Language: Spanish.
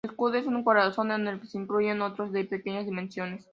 Su escudo es un corazón en el que se incluyen otros de pequeñas dimensiones.